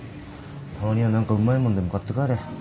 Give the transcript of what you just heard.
たまには何かうまいもんでも買って帰れ。